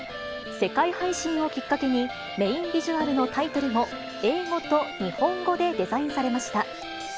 世界配信をきっかけに、メインビジュアルのタイトルも、英語と日本語でデザインされました。